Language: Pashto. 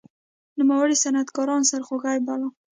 نوموړي صنعتکاران سرخوږی باله.